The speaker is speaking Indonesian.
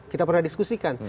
kita pernah diskusikan